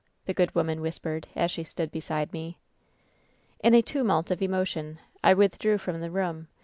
the good woman whispered, as she stood beside me. "In a tumult of emotion I withdrew from the room.